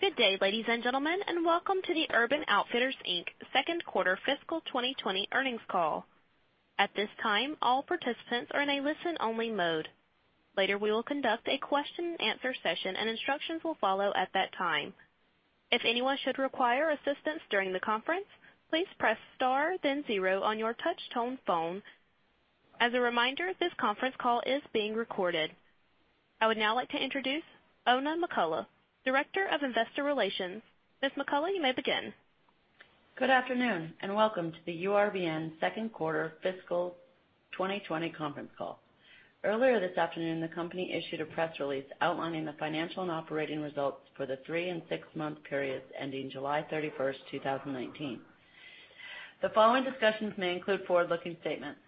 Good day, ladies and gentlemen, welcome to the Urban Outfitters, Inc. second quarter fiscal 2020 earnings call. At this time, all participants are in a listen-only mode. Later, we will conduct a question and answer session, and instructions will follow at that time. If anyone should require assistance during the conference, please press star then zero on your touch-tone phone. As a reminder, this conference call is being recorded. I would now like to introduce Oona McCullough, Director of Investor Relations. Ms. McCullough, you may begin. Good afternoon, and welcome to the URBN second quarter fiscal 2020 conference call. Earlier this afternoon, the company issued a press release outlining the financial and operating results for the three and six-month periods ending July 31st, 2019. The following discussions may include forward-looking statements.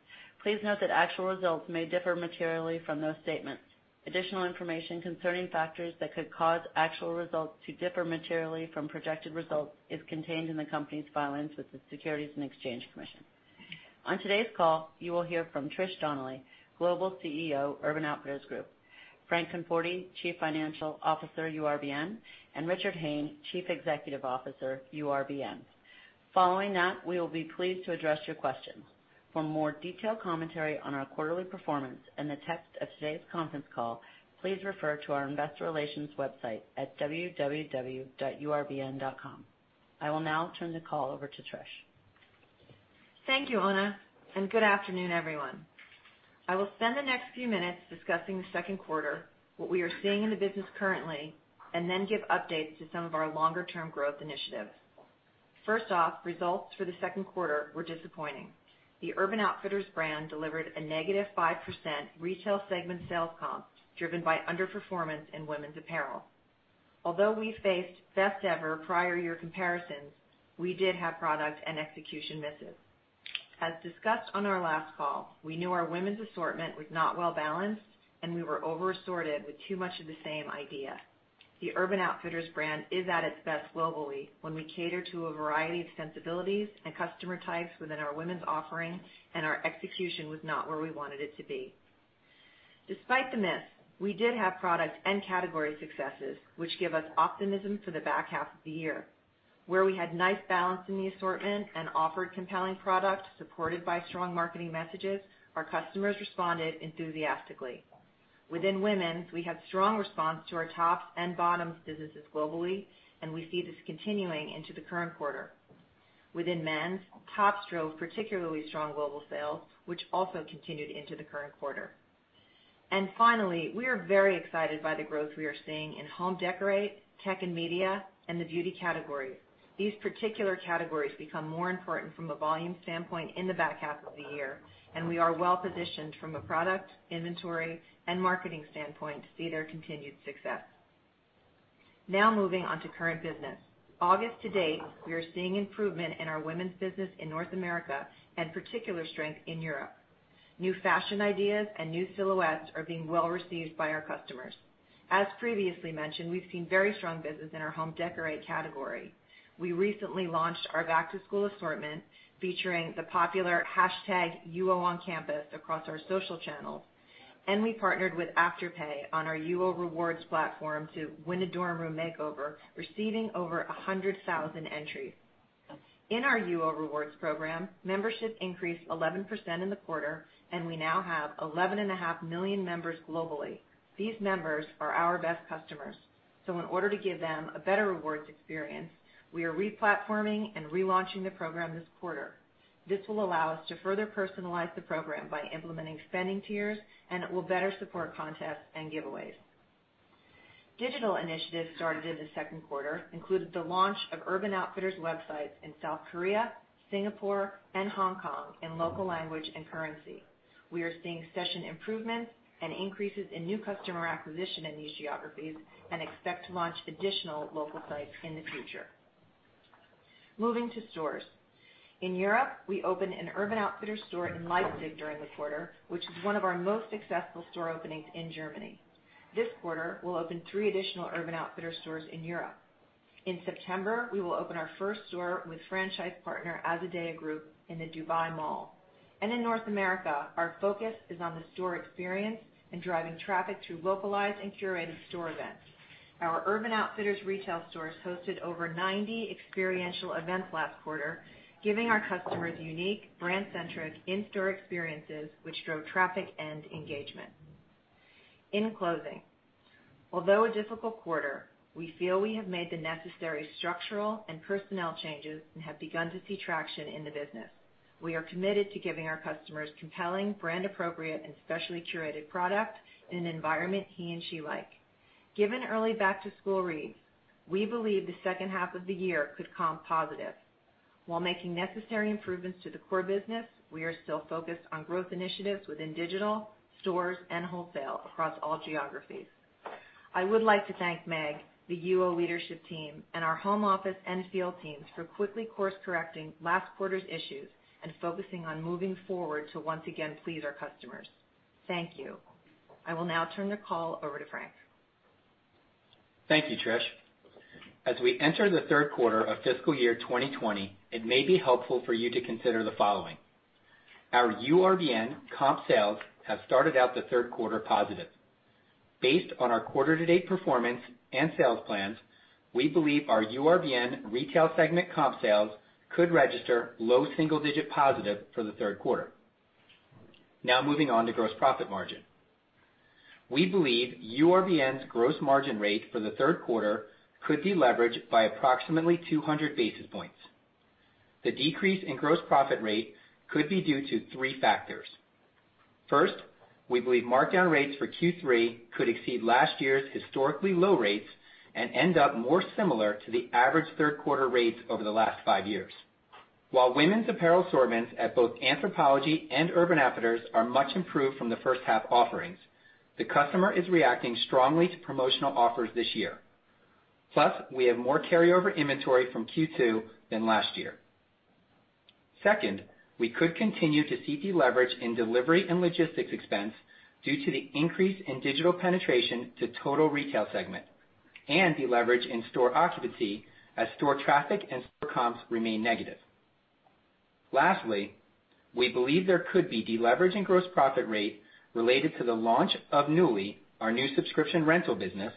Please note that actual results may differ materially from those statements. Additional information concerning factors that could cause actual results to differ materially from projected results is contained in the company's filings with the Securities and Exchange Commission. On today's call, you will hear from Trish Donnelly, Global CEO, Urban Outfitters Group, Frank Conforti, Chief Financial Officer, URBN, and Richard Hayne, Chief Executive Officer, URBN. Following that, we will be pleased to address your questions. For more detailed commentary on our quarterly performance and the text of today's conference call, please refer to our investor relations website at www.urbn.com. I will now turn the call over to Trish. Thank you, Oona, good afternoon, everyone. I will spend the next few minutes discussing the second quarter, what we are seeing in the business currently, then give updates to some of our longer-term growth initiatives. First off, results for the second quarter were disappointing. The Urban Outfitters brand delivered a negative 5% retail segment sales comp, driven by underperformance in women's apparel. Although we faced best-ever prior year comparisons, we did have product and execution misses. As discussed on our last call, we knew our women's assortment was not well-balanced, we were over-assorted with too much of the same idea. The Urban Outfitters brand is at its best globally when we cater to a variety of sensibilities and customer types within our women's offering, our execution was not where we wanted it to be. Despite the miss, we did have product and category successes, which give us optimism for the back half of the year. Where we had nice balance in the assortment and offered compelling product, supported by strong marketing messages, our customers responded enthusiastically. Within women's, we had strong response to our tops and bottoms businesses globally, and we see this continuing into the current quarter. Within men's, tops drove particularly strong global sales, which also continued into the current quarter. Finally, we are very excited by the growth we are seeing in home decorate, tech and media, and the beauty category. These particular categories become more important from a volume standpoint in the back half of the year, and we are well-positioned from a product, inventory, and marketing standpoint to see their continued success. Now, moving on to current business. August to date, we are seeing improvement in our women's business in North America, and particular strength in Europe. New fashion ideas and new silhouettes are being well received by our customers. As previously mentioned, we've seen very strong business in our home decorate category. We recently launched our back-to-school assortment, featuring the popular hashtag UO on campus across our social channels, and we partnered with Afterpay on our UO Rewards platform to win a dorm room makeover, receiving over 100,000 entries. In our UO Rewards program, membership increased 11% in the quarter, and we now have 11.5 million members globally. These members are our best customers, in order to give them a better rewards experience, we are re-platforming and relaunching the program this quarter. This will allow us to further personalize the program by implementing spending tiers, and it will better support contests and giveaways. Digital initiatives started in the second quarter included the launch of Urban Outfitters websites in South Korea, Singapore, and Hong Kong in local language and currency. We are seeing session improvements and increases in new customer acquisition in these geographies and expect to launch additional local sites in the future. Moving to stores. In Europe, we opened an Urban Outfitters store in Leipzig during the quarter, which is one of our most successful store openings in Germany. This quarter, we'll open three additional Urban Outfitters stores in Europe. In September, we will open our first store with franchise partner Azadea Group in the Dubai Mall. In North America, our focus is on the store experience and driving traffic through localized and curated store events. Our Urban Outfitters retail stores hosted over 90 experiential events last quarter, giving our customers unique, brand-centric, in-store experiences, which drove traffic and engagement. In closing, although a difficult quarter, we feel we have made the necessary structural and personnel changes and have begun to see traction in the business. We are committed to giving our customers compelling, brand-appropriate, and specially curated product in an environment he and she like. Given early back-to-school reads, we believe the second half of the year could comp positive. While making necessary improvements to the core business, we are still focused on growth initiatives within digital, stores, and wholesale across all geographies. I would like to thank Meg, the UO leadership team, and our home office and field teams for quickly course-correcting last quarter's issues and focusing on moving forward to once again please our customers. Thank you. I will now turn the call over to Frank. Thank you, Trish. As we enter the third quarter of fiscal year 2020, it may be helpful for you to consider the following. Our URBN comp sales have started out the third quarter positive. Based on our quarter to date performance and sales plans, we believe our URBN retail segment comp sales could register low single-digit positive for the third quarter. Now, moving on to gross profit margin. We believe URBN's gross margin rate for the third quarter could deleverage by approximately 200 basis points. The decrease in gross profit rate could be due to three factors. First, we believe markdown rates for Q3 could exceed last year's historically low rates and end up more similar to the average third quarter rates over the last five years. While women's apparel assortments at both Anthropologie and Urban Outfitters are much improved from the first half offerings, the customer is reacting strongly to promotional offers this year. Plus, we have more carryover inventory from Q2 than last year. Second, we could continue to see deleverage in delivery and logistics expense due to the increase in digital penetration to total retail segment, and deleverage in store occupancy as store traffic and store comps remain negative. Lastly, we believe there could be deleverage in gross profit rate related to the launch of Nuuly, our new subscription rental business,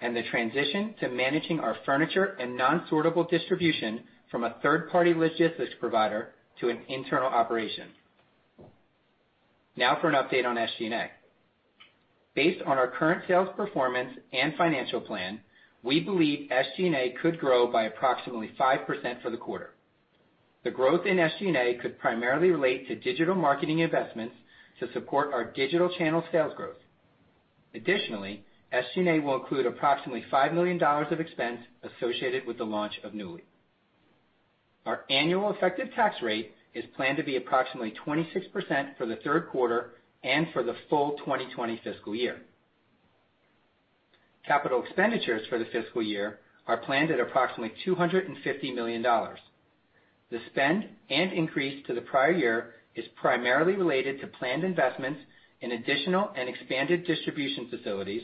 and the transition to managing our furniture and non-sortable distribution from a third-party logistics provider to an internal operation. Now for an update on SG&A. Based on our current sales performance and financial plan, we believe SG&A could grow by approximately 5% for the quarter. The growth in SG&A could primarily relate to digital marketing investments to support our digital channel sales growth. Additionally, SG&A will include approximately $5 million of expense associated with the launch of Nuuly. Our annual effective tax rate is planned to be approximately 26% for the third quarter and for the full 2020 fiscal year. Capital expenditures for the fiscal year are planned at approximately $250 million. The spend and increase to the prior year is primarily related to planned investments in additional and expanded distribution facilities,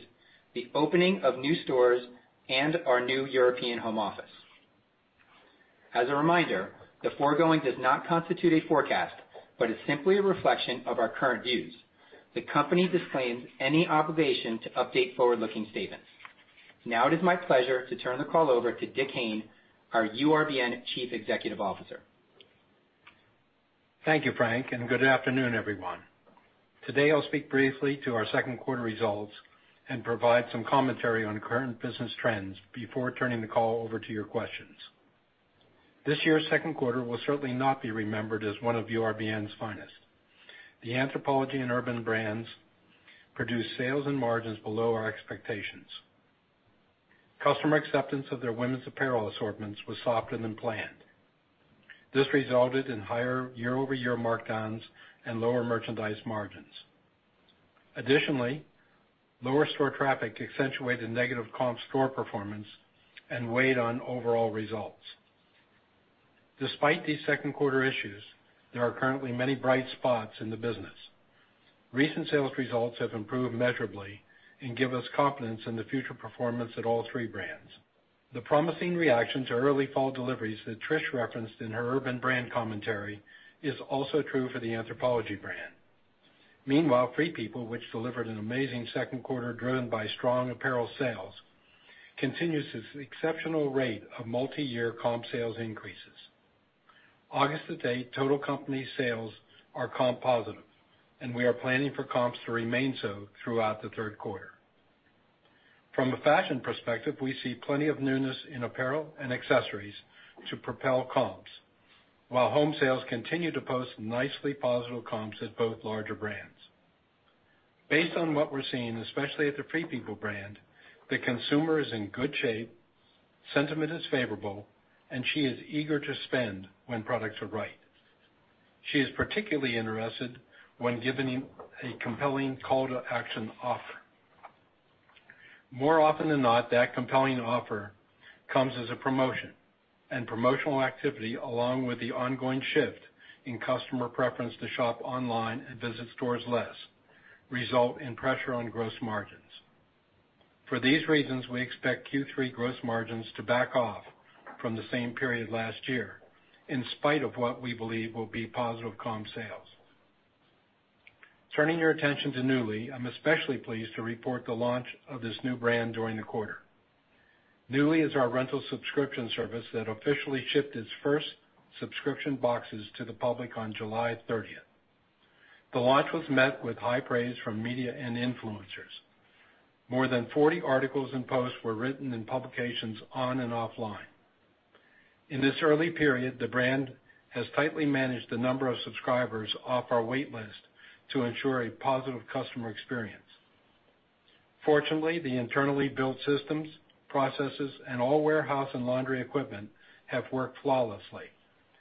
the opening of new stores, and our new European home office. As a reminder, the foregoing does not constitute a forecast, but is simply a reflection of our current views. The company disclaims any obligation to update forward-looking statements. Now it is my pleasure to turn the call over to Dick Hayne, our URBN Chief Executive Officer. Thank you, Frank, and good afternoon, everyone. Today, I'll speak briefly to our second quarter results and provide some commentary on current business trends before turning the call over to your questions. This year's second quarter will certainly not be remembered as one of URBN's finest. The Anthropologie and Urban brands produced sales and margins below our expectations. Customer acceptance of their women's apparel assortments was softer than planned. This resulted in higher year-over-year markdowns and lower merchandise margins. Additionally, lower store traffic accentuated negative comp store performance and weighed on overall results. Despite these second quarter issues, there are currently many bright spots in the business. Recent sales results have improved measurably and give us confidence in the future performance at all three brands. The promising reaction to early fall deliveries that Trish referenced in her Urban brand commentary is also true for the Anthropologie brand. Meanwhile, Free People, which delivered an amazing second quarter driven by strong apparel sales, continues its exceptional rate of multi-year comp sales increases. August to date, total company sales are comp positive, and we are planning for comps to remain so throughout the third quarter. From a fashion perspective, we see plenty of newness in apparel and accessories to propel comps, while home sales continue to post nicely positive comps at both larger brands. Based on what we're seeing, especially at the Free People brand, the consumer is in good shape, sentiment is favorable, and she is eager to spend when products are right. She is particularly interested when given a compelling call to action offer. More often than not, that compelling offer comes as a promotion, and promotional activity along with the ongoing shift in customer preference to shop online and visit stores less, result in pressure on gross margins. For these reasons, we expect Q3 gross margins to back off from the same period last year, in spite of what we believe will be positive comp sales. Turning your attention to Nuuly, I'm especially pleased to report the launch of this new brand during the quarter. Nuuly is our rental subscription service that officially shipped its first subscription boxes to the public on July 30th. The launch was met with high praise from media and influencers. More than 40 articles and posts were written in publications on and offline. In this early period, the brand has tightly managed the number of subscribers off our wait list to ensure a positive customer experience. Fortunately, the internally built systems, processes, and all warehouse and laundry equipment have worked flawlessly,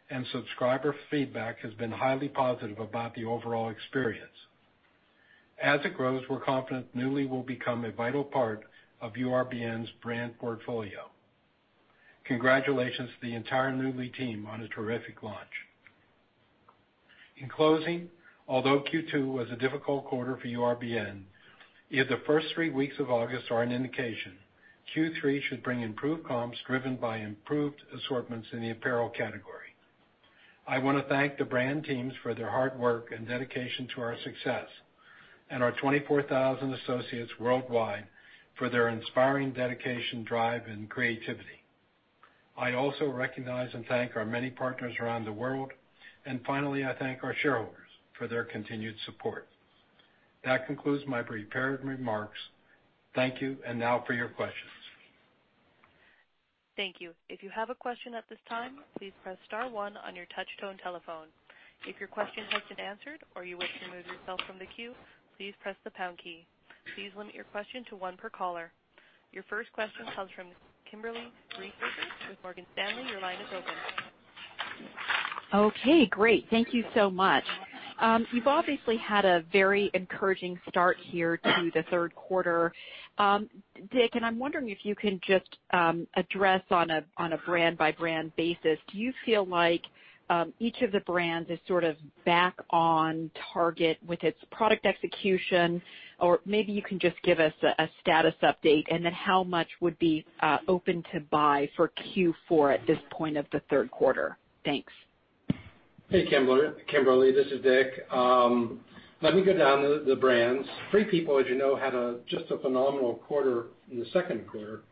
and subscriber feedback has been highly positive about the overall experience. As it grows, we're confident Nuuly will become a vital part of URBN's brand portfolio. Congratulations to the entire Nuuly team on a terrific launch. In closing, although Q2 was a difficult quarter for URBN, if the first three weeks of August are any indication, Q3 should bring improved comps driven by improved assortments in the apparel category. I want to thank the brand teams for their hard work and dedication to our success, and our 24,000 associates worldwide for their inspiring dedication, drive, and creativity. I also recognize and thank our many partners around the world, and finally, I thank our shareholders for their continued support. That concludes my prepared remarks. Thank you, and now for your questions. Thank you. If you have a question at this time, please press star one on your touch-tone telephone. If your question has been answered or you wish to remove yourself from the queue, please press the pound key. Please limit your question to one per caller. Your first question comes from Kimberly Greenberger with Morgan Stanley. Your line is open. Okay. Great. Thank you so much. You've obviously had a very encouraging start here to the third quarter. Dick, I'm wondering if you can just address on a brand-by-brand basis, do you feel like each of the brands is sort of back on target with its product execution? Or maybe you can just give us a status update. How much would be open to buy for Q4 at this point of the third quarter. Thanks. Hey, Kimberly. This is Dick. Let me go down the brands. Free People, as you know, had just a phenomenal quarter in the second quarter,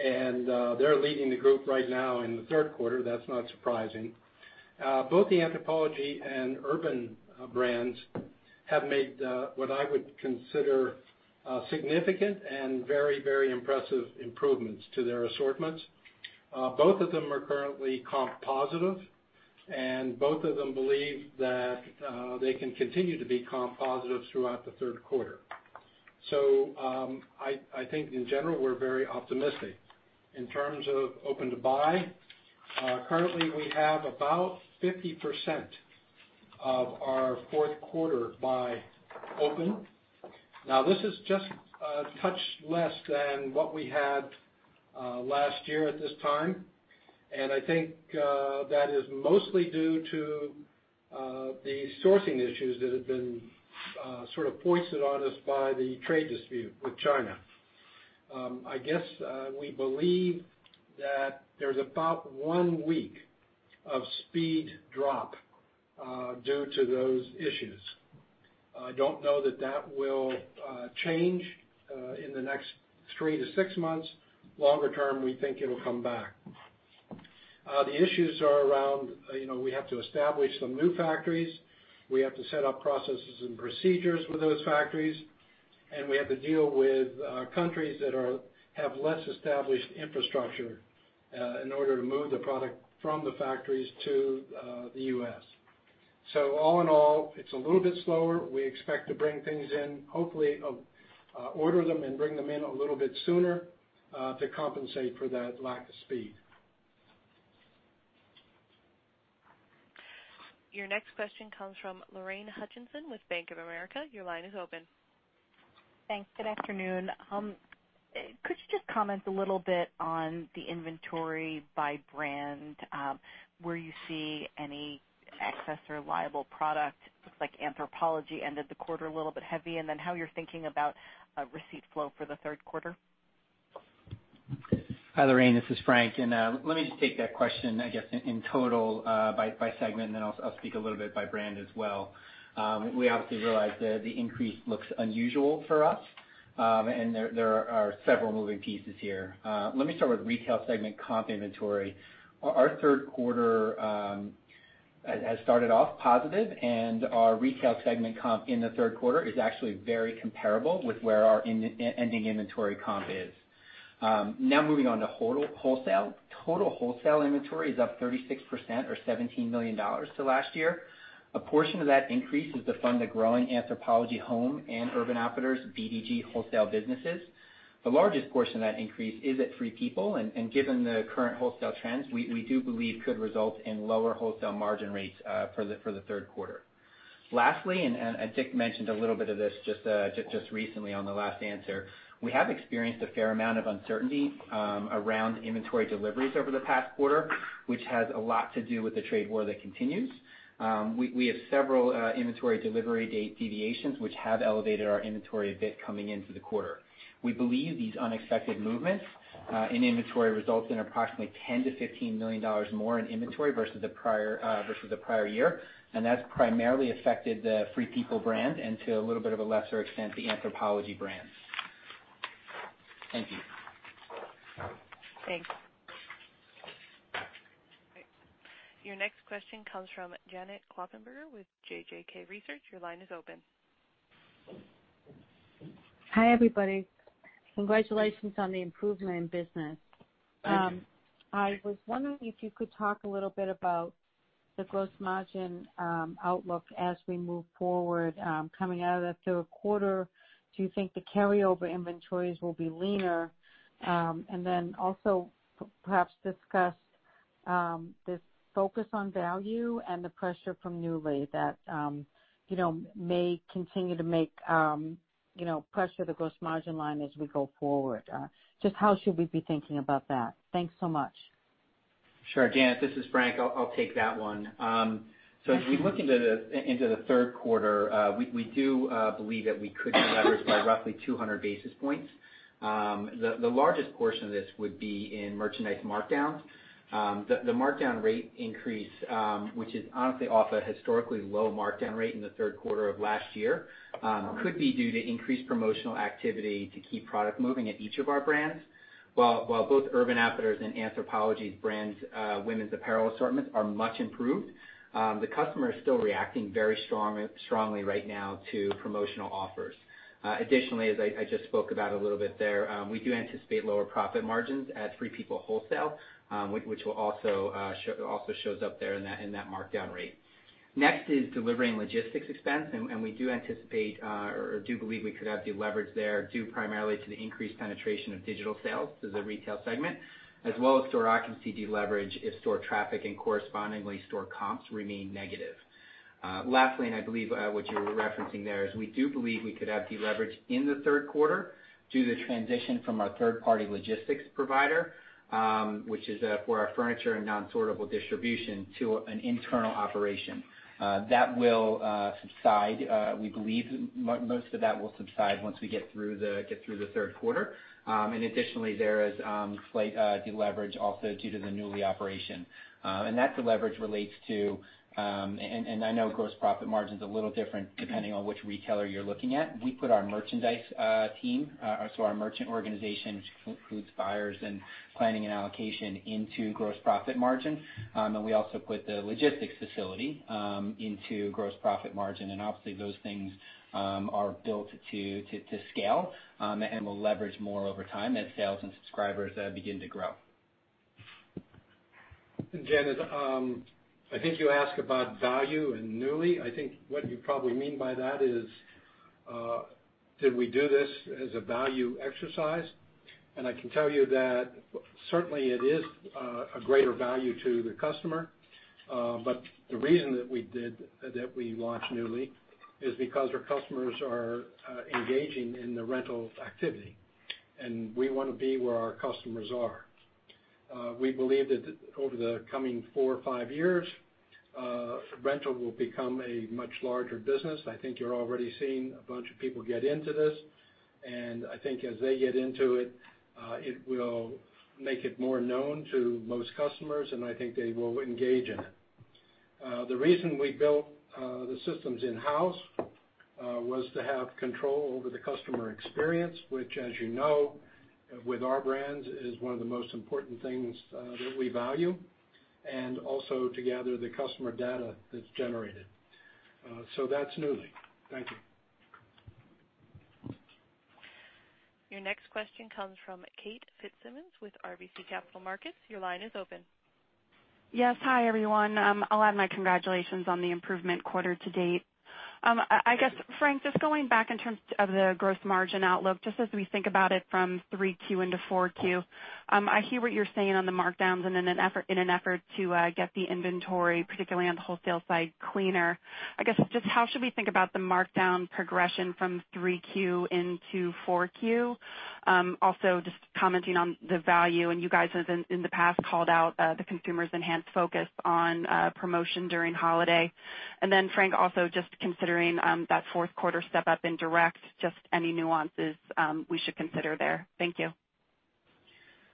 and they're leading the group right now in the third quarter. That's not surprising. Both the Anthropologie and Urban brands have made what I would consider significant and very impressive improvements to their assortments. Both of them are currently comp positive, and both of them believe that they can continue to be comp positive throughout the third quarter. I think in general, we're very optimistic. In terms of open to buy, currently we have about 50% of our fourth quarter buy open. This is just a touch less than what we had last year at this time, and I think that is mostly due to the sourcing issues that have been sort of foisted on us by the trade dispute with China. I guess we believe that there's about one week of speed drop due to those issues. I don't know that that will change in the next three to six months. Longer term, we think it'll come back. The issues are around, we have to establish some new factories, we have to set up processes and procedures with those factories, and we have to deal with countries that have less established infrastructure in order to move the product from the factories to the U.S. All in all, it's a little bit slower. We expect to bring things in, hopefully, order them and bring them in a little bit sooner to compensate for that lack of speed. Your next question comes from Lorraine Hutchinson with Bank of America. Your line is open. Thanks. Good afternoon. Could you just comment a little bit on the inventory by brand, where you see any excess or liable product, looks like Anthropologie ended the quarter a little bit heavy, and then how you're thinking about receipt flow for the third quarter? Hi, Lorraine, this is Frank. Let me just take that question, I guess, in total by segment, and then I'll speak a little bit by brand as well. We obviously realize the increase looks unusual for us, and there are several moving pieces here. Let me start with retail segment comp inventory. Our third quarter has started off positive, and our retail segment comp in the third quarter is actually very comparable with where our ending inventory comp is. Now moving on to wholesale. Total wholesale inventory is up 36% or $17 million to last year. A portion of that increase is to fund the growing Anthropologie Home and Urban Outfitters BDG wholesale businesses. The largest portion of that increase is at Free People, and given the current wholesale trends, we do believe could result in lower wholesale margin rates for the third quarter. Lastly, Dick mentioned a little bit of this just recently on the last answer. We have experienced a fair amount of uncertainty around inventory deliveries over the past quarter, which has a lot to do with the trade war that continues. We have several inventory delivery date deviations which have elevated our inventory a bit coming into the quarter. We believe these unexpected movements in inventory results in approximately $10 million-$15 million more in inventory versus the prior year. That's primarily affected the Free People brand and to a little bit of a lesser extent, the Anthropologie brand. Thank you. Thanks. Your next question comes from Janet Kloppenburg with JJK Research. Your line is open. Hi, everybody. Congratulations on the improvement in business. Thank you. I was wondering if you could talk a little bit about the gross margin outlook as we move forward. Coming out of that third quarter, do you think the carryover inventories will be leaner? Then also perhaps discuss this focus on value and the pressure from Nuuly that may continue to pressure the gross margin line as we go forward. Just how should we be thinking about that? Thanks so much. Sure, Janet, this is Frank. I'll take that one. As we look into the third quarter, we do believe that we could deleverage by roughly 200 basis points. The largest portion of this would be in merchandise markdowns. The markdown rate increase, which is honestly off a historically low markdown rate in the third quarter of last year, could be due to increased promotional activity to keep product moving at each of our brands. While both Urban Outfitters and Anthropologie brands' women's apparel assortments are much improved, the customer is still reacting very strongly right now to promotional offers. Additionally, as I just spoke about a little bit there, we do anticipate lower profit margins at Free People Wholesale, which also shows up there in that markdown rate. Next is delivering logistics expense. We do anticipate or do believe we could have deleverage there, due primarily to the increased penetration of digital sales to the retail segment, as well as store occupancy deleverage if store traffic and correspondingly store comps remain negative. Lastly. I believe what you were referencing there, is we do believe we could have deleverage in the third quarter due to the transition from our third party logistics provider, which is for our furniture and non-sortable distribution to an internal operation. That will subside. We believe most of that will subside once we get through the third quarter. Additionally, there is slight deleverage also due to the Nuuly operation. That deleverage relates to. I know gross profit margin's a little different depending on which retailer you're looking at. We put our merchandise team, so our merchant organization, which includes buyers and planning and allocation into gross profit margin. We also put the logistics facility into gross profit margin. Obviously those things are built to scale and will leverage more over time as sales and subscribers begin to grow. Janet, I think you asked about value and Nuuly. I think what you probably mean by that is, did we do this as a value exercise? I can tell you that certainly it is a greater value to the customer. The reason that we launched Nuuly is because our customers are engaging in the rental activity, and we want to be where our customers are. We believe that over the coming four or five years, rental will become a much larger business. I think you're already seeing a bunch of people get into this, and I think as they get into it will make it more known to most customers, and I think they will engage in it. The reason we built the systems in-house was to have control over the customer experience, which, as you know, with our brands, is one of the most important things that we value, and also to gather the customer data that's generated. That's Nuuly. Thank you. Your next question comes from Kate Fitzsimons with RBC Capital Markets. Your line is open. Yes. Hi, everyone. I'll add my congratulations on the improvement quarter to date. I guess, Frank, just going back in terms of the gross margin outlook, just as we think about it from three Q into four Q, I hear what you're saying on the markdowns and in an effort to get the inventory, particularly on the wholesale side, cleaner. I guess just how should we think about the markdown progression from three Q into four Q? Also, just commenting on the value, and you guys have in the past called out the consumer's enhanced focus on promotion during holiday. Frank, also, just considering that fourth quarter step up in direct, just any nuances we should consider there. Thank you.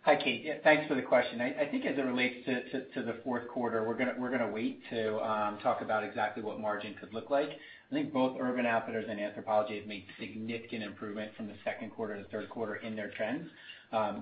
Hi, Kate. Yeah, thanks for the question. I think as it relates to the 4th quarter, we're going to wait to talk about exactly what margin could look like. I think both Urban Outfitters and Anthropologie have made significant improvement from the 2nd quarter to the 3rd quarter in their trends.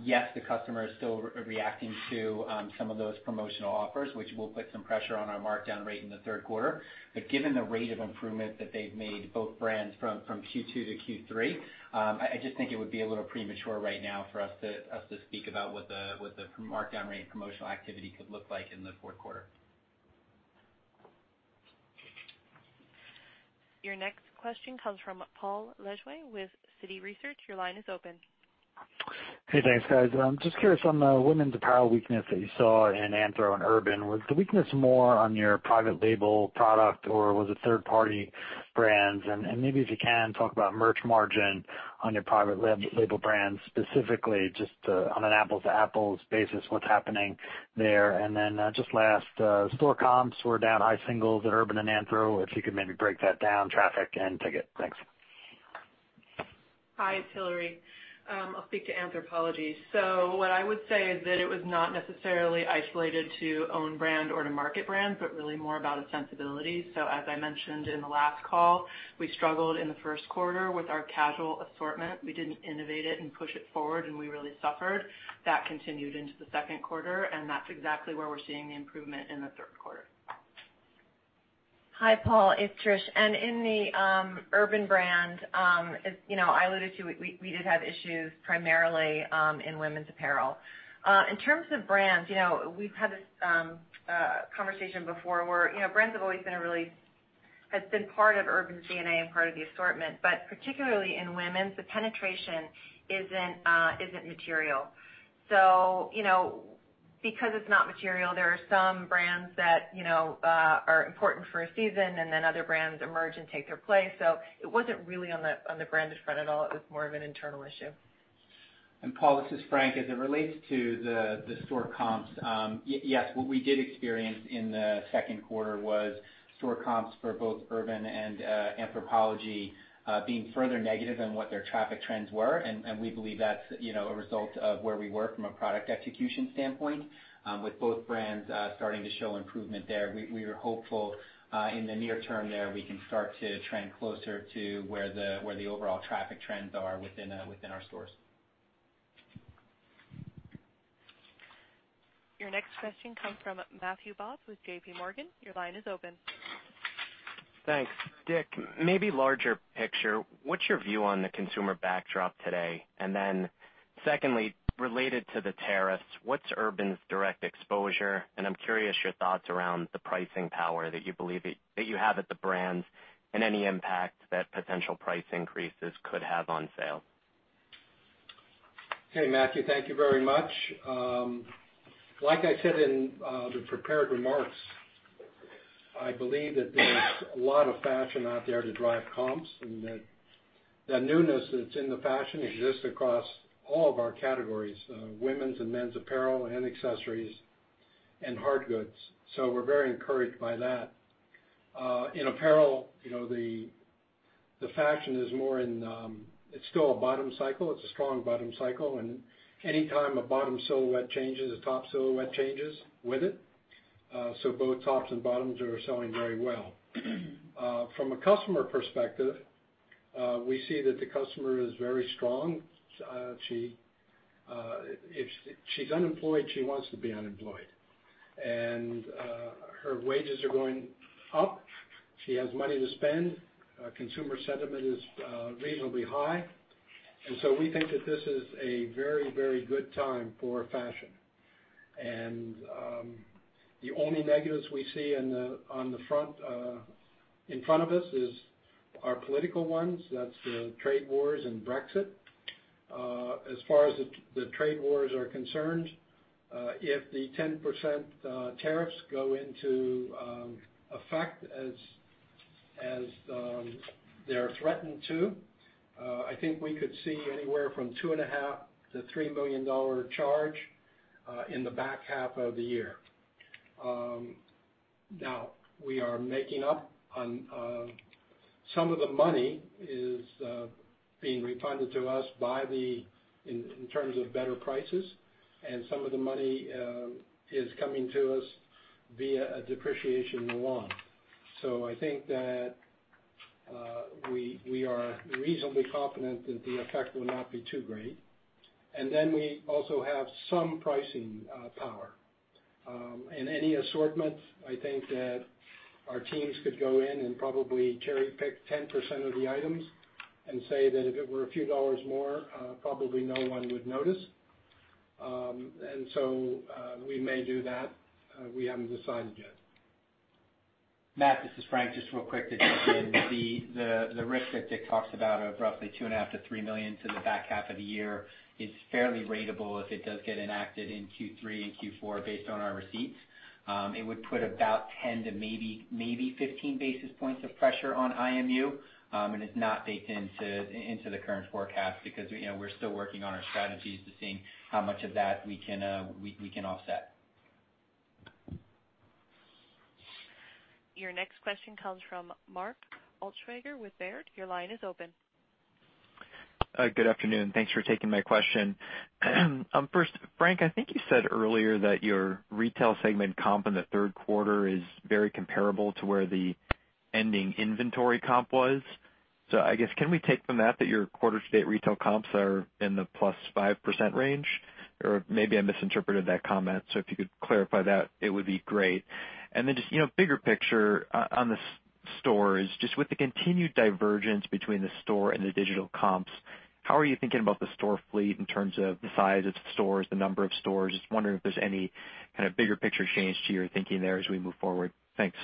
Yes, the customer is still reacting to some of those promotional offers, which will put some pressure on our markdown rate in the 3rd quarter. Given the rate of improvement that they've made, both brands from Q2 to Q3, I just think it would be a little premature right now for us to speak about what the markdown rate and promotional activity could look like in the 4th quarter. Your next question comes from Paul Lejuez with Citi Research. Your line is open. Hey, thanks guys. Just curious on the women's apparel weakness that you saw in Anthro and Urban. Was the weakness more on your private label product, or was it third party brands? Maybe if you can, talk about merch margin on your private label brands, specifically just on an apples-to-apples basis, what's happening there. Then just last, store comps were down high singles at Urban and Anthro. If you could maybe break that down, traffic and ticket. Thanks. Hi, it's Hillary. I'll speak to Anthropologie. What I would say is that it was not necessarily isolated to own brand or to market brand, but really more about a sensibility. As I mentioned in the last call, we struggled in the first quarter with our casual assortment. We didn't innovate it and push it forward, and we really suffered. That continued into the second quarter, and that's exactly where we're seeing the improvement in the third quarter. Hi, Paul. It's Trish. In the Urban brand, as I alluded to, we did have issues primarily in women's apparel. In terms of brands, we've had this conversation before where brands have always been part of Urban's DNA and part of the assortment. Particularly in women's, the penetration isn't material. Because it's not material, there are some brands that are important for a season, and then other brands emerge and take their place. It wasn't really on the branded front at all. It was more of an internal issue. Paul, this is Frank. As it relates to the store comps, yes, what we did experience in the second quarter was store comps for both Urban and Anthropologie being further negative than what their traffic trends were. We believe that's a result of where we were from a product execution standpoint, with both brands starting to show improvement there. We are hopeful in the near term there, we can start to trend closer to where the overall traffic trends are within our stores. Your next question comes from Matthew Boss with JPMorgan. Your line is open. Thanks. Dick, maybe larger picture, what's your view on the consumer backdrop today? Secondly, related to the tariffs, what's Urban's direct exposure? I'm curious your thoughts around the pricing power that you believe that you have at the brands and any impact that potential price increases could have on sales. Hey, Matthew. Thank you very much. Like I said in the prepared remarks, I believe that there's a lot of fashion out there to drive comps, and that the newness that's in the fashion exists across all of our categories, women's and men's apparel and accessories and hard goods. We're very encouraged by that. In apparel, the fashion is still a bottom cycle. It's a strong bottom cycle, and any time a bottom silhouette changes, the top silhouette changes with it. Both tops and bottoms are selling very well. From a customer perspective, we see that the customer is very strong. If she's unemployed, she wants to be unemployed. Her wages are going up. She has money to spend. Consumer sentiment is reasonably high. We think that this is a very good time for fashion. The only negatives we see in front of us is our political ones. That's the trade wars and Brexit. As far as the trade wars are concerned, if the 10% tariffs go into effect as they're threatened to, I think we could see anywhere from $2.5 million-$3 million charge in the back half of the year. Now we are making up some of the money is being refunded to us in terms of better prices, and some of the money is coming to us via a depreciation in the Yuan. I think that we are reasonably confident that the effect will not be too great. We also have some pricing power. In any assortment, I think that our teams could go in and probably cherry-pick 10% of the items and say that if it were a few dollars more, probably no one would notice. We may do that. We haven't decided yet. Matt, this is Frank. Just real quick to jump in. The risk that Dick talks about of roughly $2.5 million-$3 million to the back half of the year is fairly ratable if it does get enacted in Q3 and Q4 based on our receipts. It would put about 10 to maybe 15 basis points of pressure on IMU, and it's not baked into the current forecast because we're still working on our strategies to seeing how much of that we can offset. Your next question comes from Mark Altschwager with Baird. Your line is open. Good afternoon. Thanks for taking my question. First, Frank, I think you said earlier that your retail segment comp in the third quarter is very comparable to where the ending inventory comp was. I guess, can we take from that your quarter to date retail comps are in the plus 5% range? Maybe I misinterpreted that comment, so if you could clarify that, it would be great. Then just, bigger picture on the stores, just with the continued divergence between the store and the digital comps, how are you thinking about the store fleet in terms of the size of stores, the number of stores? Just wondering if there's any kind of bigger picture change to your thinking there as we move forward. Thanks.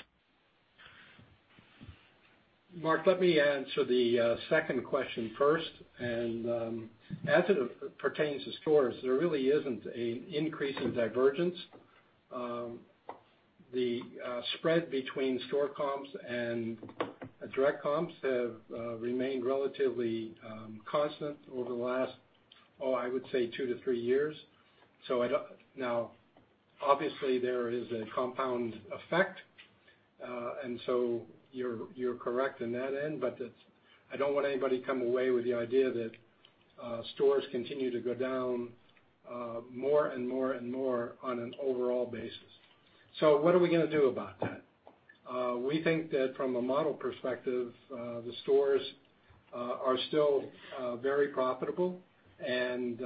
Mark, let me answer the second question first. As it pertains to stores, there really isn't an increase in divergence. The spread between store comps and direct comps have remained relatively constant over the last, I would say 2 to 3 years. Now, obviously, there is a compound effect. You're correct on that end, but I don't want anybody to come away with the idea that stores continue to go down more and more on an overall basis. What are we going to do about that? We think that from a model perspective, the stores are still very profitable and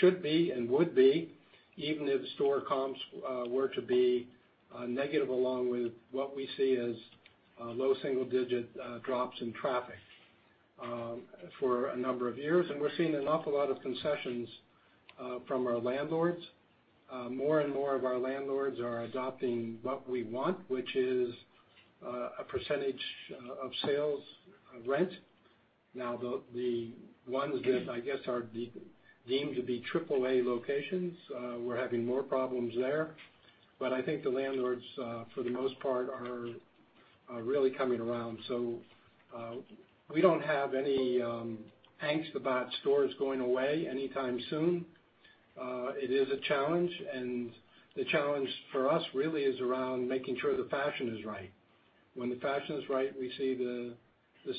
should be and would be, even if store comps were to be negative along with what we see as low single-digit drops in traffic for a number of years. We're seeing an awful lot of concessions from our landlords. More and more of our landlords are adopting what we want, which is a percentage of sales rent. The ones that I guess are deemed to be triple-A locations, we're having more problems there. I think the landlords, for the most part are Are really coming around. We don't have any angst about stores going away anytime soon. It is a challenge, and the challenge for us really is around making sure the fashion is right. When the fashion is right, we see the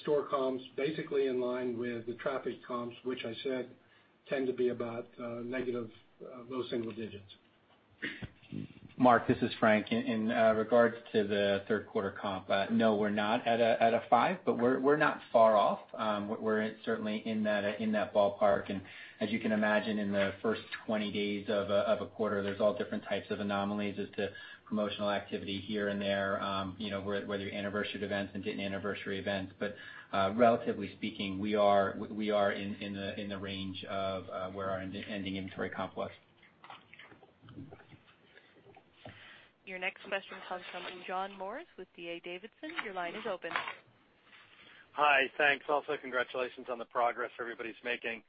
store comps basically in line with the traffic comps, which I said tend to be about negative low single digits. Mark, this is Frank. In regards to the third quarter comp, no, we're not at a five, but we're not far off. We're certainly in that ballpark. As you can imagine, in the first 20 days of a quarter, there's all different types of anomalies as to promotional activity here and there, whether anniversary events and didn't anniversary events. Relatively speaking, we are in the range of where our ending inventory comp was. Your next question comes from John Morris with D.A. Davidson. Your line is open. Hi. Thanks. Congratulations on the progress everybody's making.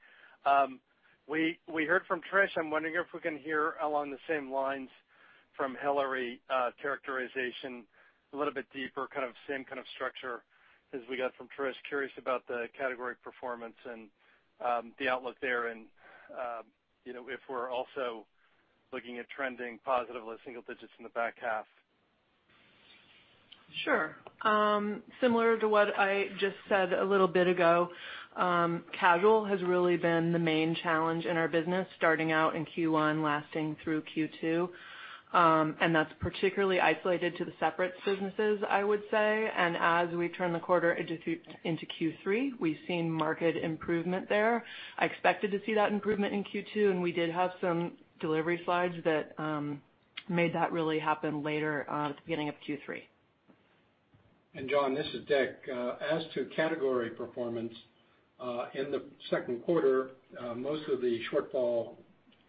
We heard from Trish. I'm wondering if we can hear along the same lines from Hillary, a characterization a little bit deeper, same kind of structure as we got from Trish. Curious about the category performance and the outlook there and if we're also looking at trending positively single digits in the back half. Sure. Similar to what I just said a little bit ago, casual has really been the main challenge in our business, starting out in Q1, lasting through Q2. That's particularly isolated to the separates businesses, I would say. As we turn the corner into Q3, we've seen market improvement there. I expected to see that improvement in Q2, and we did have some delivery delays that made that really happen later at the beginning of Q3. John, this is Dick. As to category performance, in the second quarter, most of the shortfall,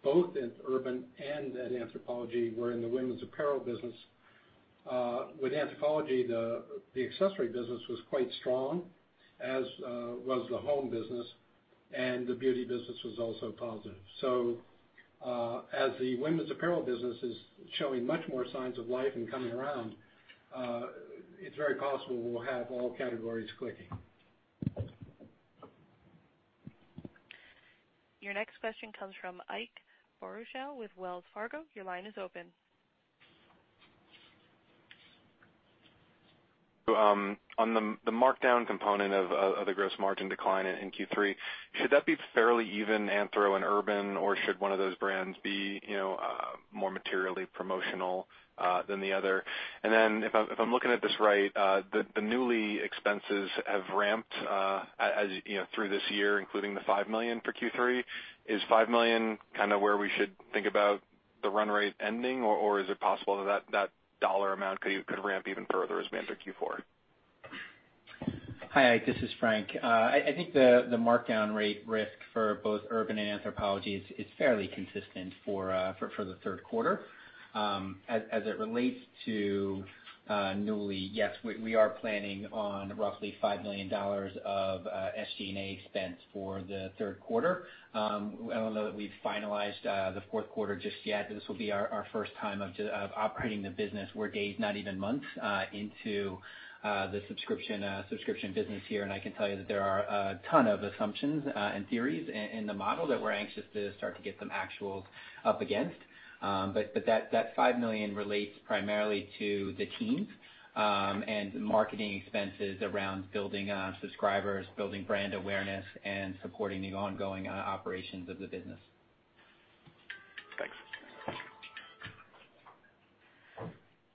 both in Urban and at Anthropologie, were in the women's apparel business. With Anthropologie, the accessory business was quite strong, as was the home business, and the beauty business was also positive. As the women's apparel business is showing much more signs of life and coming around, it's very possible we'll have all categories clicking. Your next question comes from Ike Boruchow with Wells Fargo. Your line is open. On the markdown component of the gross margin decline in Q3, should that be fairly even Anthro and Urban, or should one of those brands be more materially promotional than the other? If I'm looking at this right, the Nuuly expenses have ramped through this year, including the $5 million for Q3. Is $5 million where we should think about the run rate ending, or is it possible that dollar amount could ramp even further as we enter Q4? Hi, Ike, this is Frank. I think the markdown rate risk for both Urban and Anthropologie is fairly consistent for the third quarter. As it relates to Nuuly, yes, we are planning on roughly $5 million of SG&A expense for the third quarter. I don't know that we've finalized the fourth quarter just yet, but this will be our first time of operating the business. We're days, not even months, into the subscription business here, and I can tell you that there are a ton of assumptions and theories in the model that we're anxious to start to get some actuals up against. That $5 million relates primarily to the teams and marketing expenses around building subscribers, building brand awareness, and supporting the ongoing operations of the business. Thanks.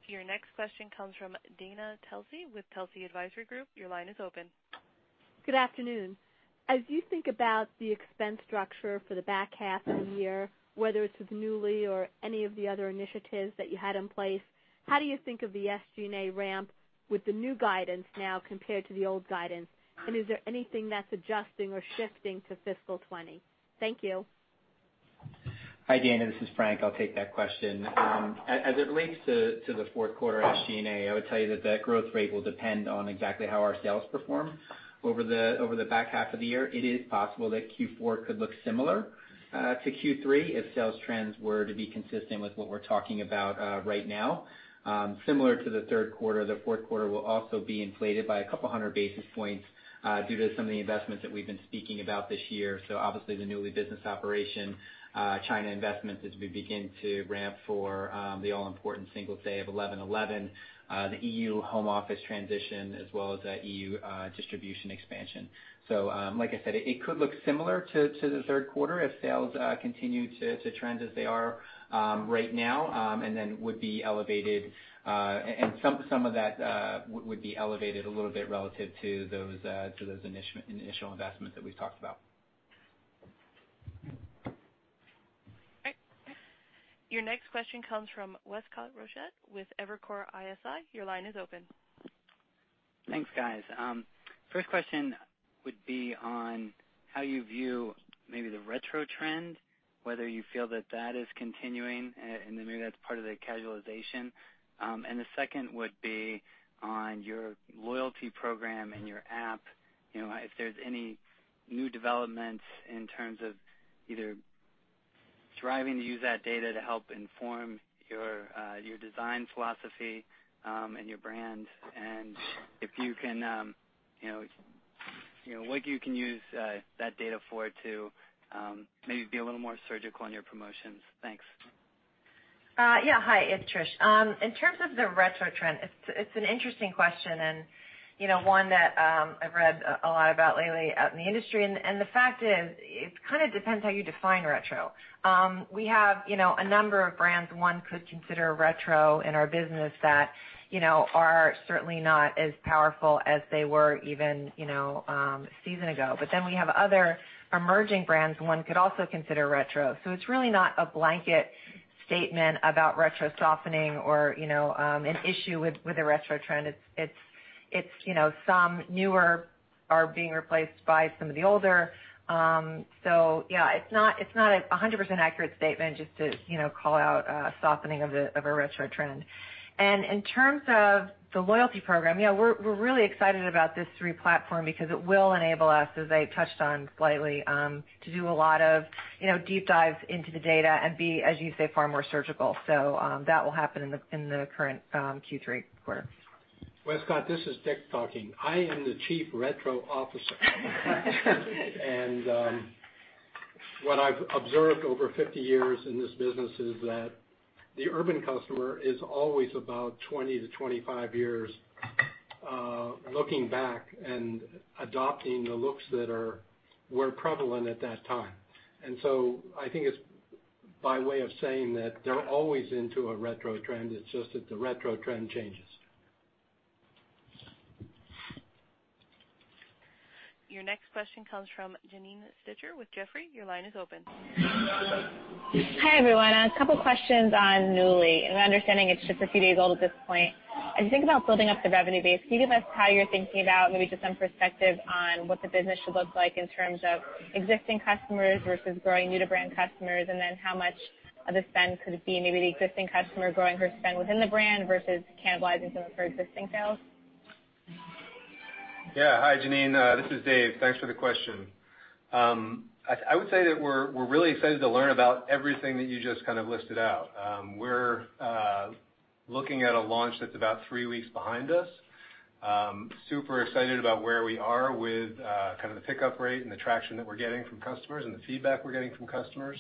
Your next question comes from Dana Telsey with Telsey Advisory Group. Your line is open. Good afternoon. As you think about the expense structure for the back half of the year, whether it's with Nuuly or any of the other initiatives that you had in place, how do you think of the SG&A ramp with the new guidance now compared to the old guidance? Is there anything that's adjusting or shifting to fiscal 2020? Thank you. Hi, Dana. This is Frank. I'll take that question. As it relates to the fourth quarter SG&A, I would tell you that that growth rate will depend on exactly how our sales perform over the back half of the year. It is possible that Q4 could look similar to Q3 if sales trends were to be consistent with what we're talking about right now. Similar to the third quarter, the fourth quarter will also be inflated by a couple of hundred basis points due to some of the investments that we've been speaking about this year. Obviously, the Nuuly business operation, China investments as we begin to ramp for the all-important single day of 11.11, the EU home office transition, as well as the EU distribution expansion. Like I said, it could look similar to the third quarter if sales continue to trend as they are right now. Some of that would be elevated a little bit relative to those initial investments that we've talked about. Great. Your next question comes from West Collins-Rochette with Evercore ISI. Your line is open. Thanks, guys. First question would be on how you view maybe the retro trend, whether you feel that that is continuing, and then maybe that's part of the casualization. The second would be on your loyalty program and your app, if there's any new developments in terms of either striving to use that data to help inform your design philosophy and your brand. If you can. What you can use that data for to maybe be a little more surgical in your promotions. Thanks. Yeah. Hi, it's Trish. In terms of the retro trend, it's an interesting question, one that I've read a lot about lately out in the industry, the fact is, it kind of depends how you define retro. We have a number of brands one could consider retro in our business that are certainly not as powerful as they were even a season ago. We have other emerging brands one could also consider retro. It's really not a blanket statement about retro softening or an issue with the retro trend. It's some newer are being replaced by some of the older. Yeah, it's not 100% accurate statement just to call out a softening of a retro trend. In terms of the loyalty program, yeah, we're really excited about this three platform because it will enable us, as I touched on slightly, to do a lot of deep dives into the data and be, as you say, far more surgical. That will happen in the current Q3 quarter. Well, Scott, this is Dick talking. I am the chief retro officer. What I've observed over 50 years in this business is that the Urban customer is always about 20 to 25 years looking back and adopting the looks that were prevalent at that time. I think it's by way of saying that they're always into a retro trend, it's just that the retro trend changes. Your next question comes from Janine Stichter with Jefferies. Your line is open. Hi, everyone. A couple questions on Nuuly. I'm understanding it's just a few days old at this point. As you think about building up the revenue base, can you give us how you're thinking about maybe just some perspective on what the business should look like in terms of existing customers versus growing new-to-brand customers, and then how much of a spend could it be, maybe the existing customer growing her spend within the brand versus cannibalizing some of her existing sales? Yeah. Hi, Janine. This is Dave. Thanks for the question. I would say that we're really excited to learn about everything that you just listed out. We're looking at a launch that's about three weeks behind us. Super excited about where we are with the pickup rate and the traction that we're getting from customers and the feedback we're getting from customers.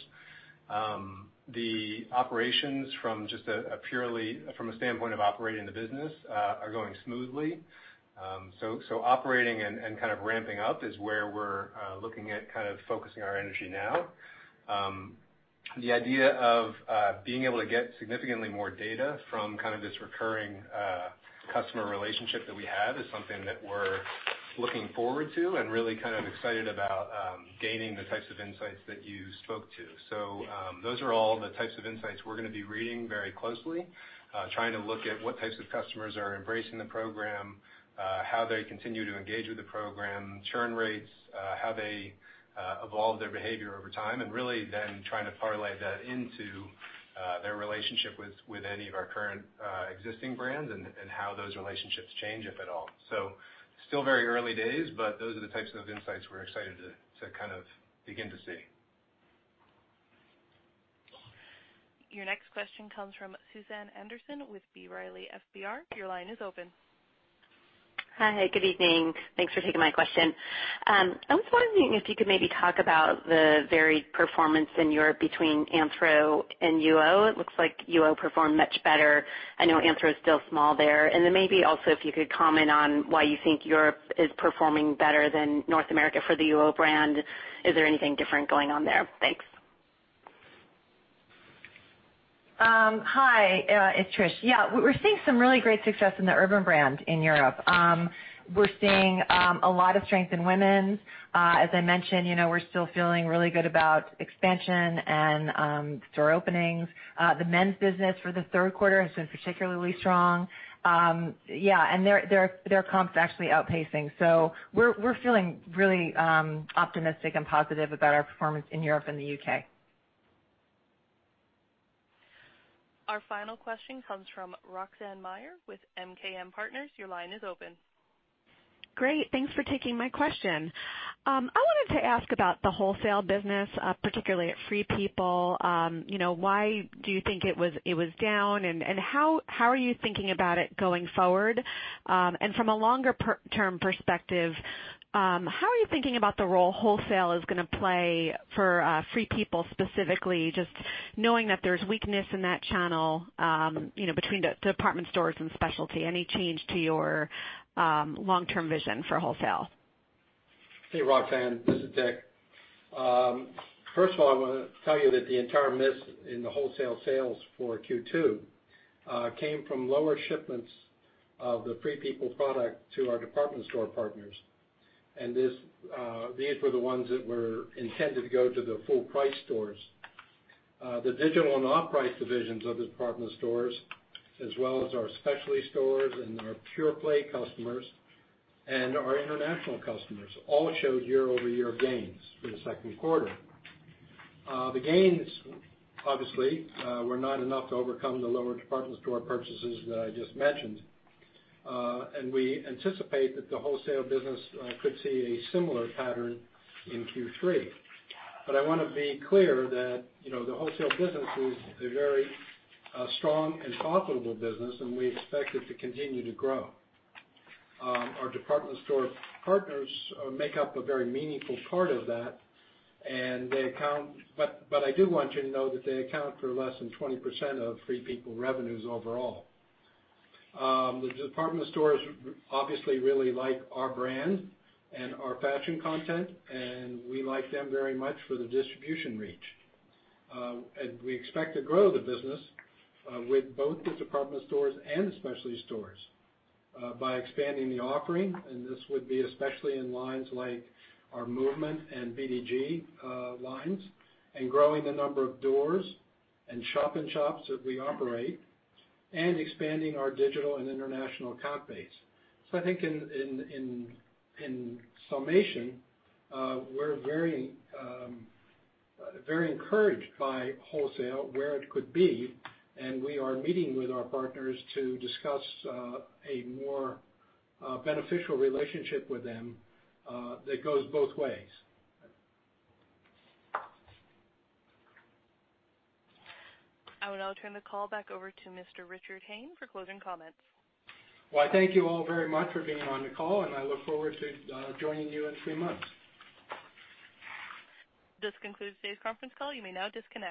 The operations from just a purely from a standpoint of operating the business, are going smoothly. Operating and ramping up is where we're looking at focusing our energy now. The idea of being able to get significantly more data from this recurring customer relationship that we have is something that we're looking forward to and really excited about gaining the types of insights that you spoke to. Those are all the types of insights we're gonna be reading very closely, trying to look at what types of customers are embracing the program, how they continue to engage with the program, churn rates, how they evolve their behavior over time, and really then trying to parlay that into their relationship with any of our current existing brands and how those relationships change, if at all. Still very early days, but those are the types of insights we're excited to begin to see. Your next question comes from Susan Anderson with B. Riley FBR. Your line is open. Hi. Good evening. Thanks for taking my question. I was wondering if you could maybe talk about the varied performance in Europe between Anthro and UO. It looks like UO performed much better. I know Anthro is still small there. Maybe also if you could comment on why you think Europe is performing better than North America for the UO brand. Is there anything different going on there? Thanks. Hi. It's Trish. We're seeing some really great success in the Urban brand in Europe. We're seeing a lot of strength in women's. As I mentioned, we're still feeling really good about expansion and store openings. The men's business for the third quarter has been particularly strong. Their comps are actually outpacing. We're feeling really optimistic and positive about our performance in Europe and the U.K. Our final question comes from Roxanne Meyer with MKM Partners. Your line is open. Great. Thanks for taking my question. I wanted to ask about the wholesale business, particularly at Free People. Why do you think it was down, and how are you thinking about it going forward? From a longer term perspective, how are you thinking about the role wholesale is going to play for Free People specifically, just knowing that there's weakness in that channel between the department stores and specialty? Any change to your long-term vision for wholesale? Hey, Roxanne. This is Dick. First of all, I want to tell you that the entire miss in the wholesale sales for Q2 came from lower shipments of the Free People product to our department store partners. These were the ones that were intended to go to the full price stores. The digital and off-price divisions of the department stores, as well as our specialty stores and our pure play customers and our international customers, all showed year-over-year gains for the second quarter. The gains, obviously, were not enough to overcome the lower department store purchases that I just mentioned. We anticipate that the wholesale business could see a similar pattern in Q3. I want to be clear that the wholesale business is a very strong and profitable business, and we expect it to continue to grow. Our department store partners make up a very meaningful part of that. I do want you to know that they account for less than 20% of Free People revenues overall. The department stores obviously really like our brand and our fashion content, and we like them very much for the distribution reach. We expect to grow the business with both the department stores and specialty stores by expanding the offering, and this would be especially in lines like our FP Movement and BDG lines, and growing the number of doors and shop in shops that we operate, and expanding our digital and international comp base. I think in summation, we're very encouraged by wholesale, where it could be, and we are meeting with our partners to discuss a more beneficial relationship with them that goes both ways. I will now turn the call back over to Mr. Richard Hayne for closing comments. Why, thank you all very much for being on the call, and I look forward to joining you in three months. This concludes today's conference call. You may now disconnect.